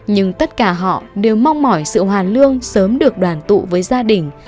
nhưng tất cả họ đều mong mỏi sự hoàn lương sớm được đoàn tụ với gia đình